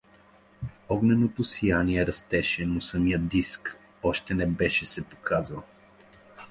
Огненото сияние растеше, но самият диск още не беше се показал.